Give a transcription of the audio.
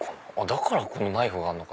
だからナイフがあるのか。